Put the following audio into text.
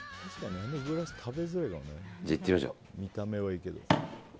じゃあいってみましょう。